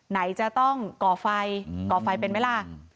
ไหนจะต้องก่อไฟก่อไฟเป็นไหมล่ะ